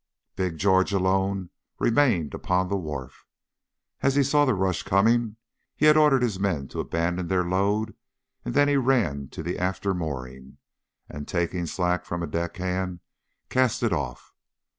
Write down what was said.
Big George alone remained upon the wharf. As he saw the rush coming he had ordered his men to abandon their load; then he ran to the after mooring, and, taking slack from a deck hand, cast it off.